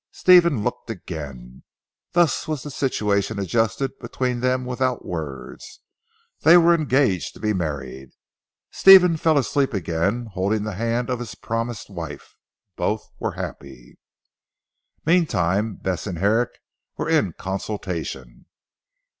Stephen looked again. Thus was the situation adjusted between them without words. They were engaged to be married. Stephen fell asleep again holding the hand of his promised wife. Both were happy. Meantime Bess and Herrick were in consultation.